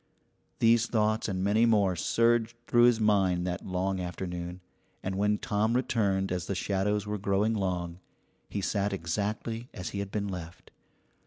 These thoughts and many more surged through his mind that long afternoon, and when Tom returned as the shadows were growing long, he sat exactly as he had been left.